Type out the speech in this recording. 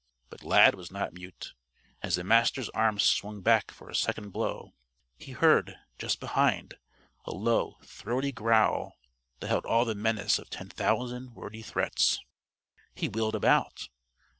But Lad was not mute. As the Master's arm swung back for a second blow, he heard, just behind, a low, throaty growl that held all the menace of ten thousand wordy threats. He wheeled about.